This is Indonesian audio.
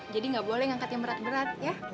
jadi gak boleh yang angkat yang berat berat ya